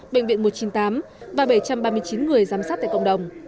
bệnh viện một trăm chín mươi tám và bảy trăm ba mươi chín người giám sát tại cộng đồng